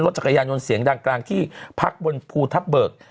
จักรยานยนต์เสียงดังกลางที่พักบนภูทับเบิก